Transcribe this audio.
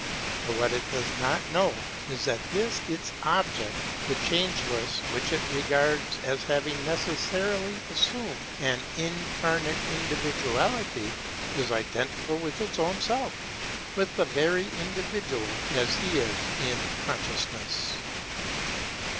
But what it does not know is that this its object, the Changeless, which it re gards as having necessarily assumed an incarnate individuality, is identical with its own self, with the very individual as he is in consciousness.